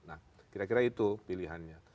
nah kira kira itu pilihannya